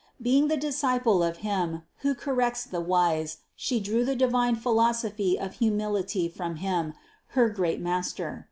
Being the dis ciple of Him, who corrects the wise, She drew the di vine philosophy of humility from Him, her great Mas ter.